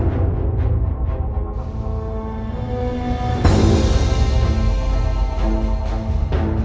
ก็เพิ่งบอกมาด้วยว่าทำให้ทำให้ทำ